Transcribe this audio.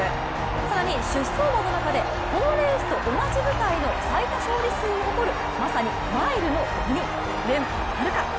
更に出走馬の中でこのレースと同じ舞台の最多勝理数を誇る、まさにマイルの鬼、連覇なるか。